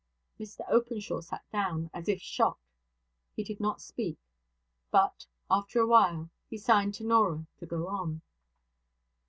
Mr Openshaw sat down, as if shot. He did not speak; but, after a while, he signed to Norah to go on.